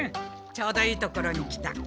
ちょうどいいところに来た。